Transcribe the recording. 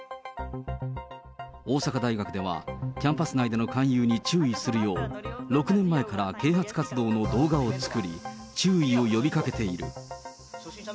大阪大学では、キャンパス内での勧誘に注意するよう、６年前から啓発活動の動画を作り、注意を呼びかけている。